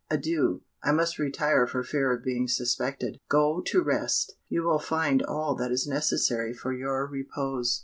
Adieu, I must retire for fear of being suspected: go to rest; you will find all that is necessary for your repose."